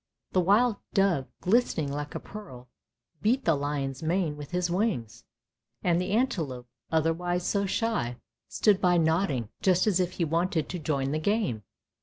The wild dove, glistening like a pearl, beat the lion's mane with his wings; and the antelope, otherwise so shy, stood by nodding, just as if he wanted to join the game.